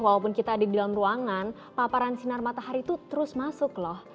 walaupun kita ada di dalam ruangan paparan sinar matahari itu terus masuk loh